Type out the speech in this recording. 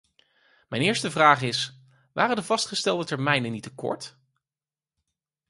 Mijn eerste vraag is: waren de vastgestelde termijnen niet te kort?